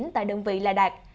tại đơn vị là đạt